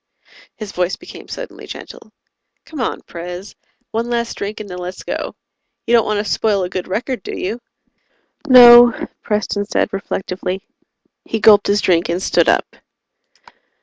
His voice became suddenly gentle. "Come on, Pres. One last drink, and then let's go. You don't want to spoil a good record, do you?" "No," Preston said reflectively. He gulped his drink and stood up.